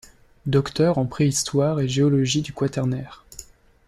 Docteur en Préhistoire et Géologie du Quaternaire.